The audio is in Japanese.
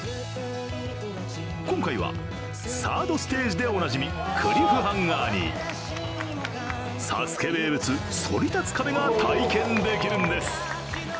今回は、サードステージでおなじみクリフハンガーに「ＳＡＳＵＫＥ」名物、そり立つ壁が体験できるんです。